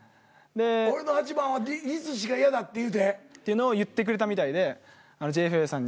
「俺の８番は律しか嫌だ」って言うて？ってのを言ってくれたみたいでＪＦＡさんに。